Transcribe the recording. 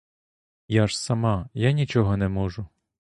Я ж сама, я нічого не можу!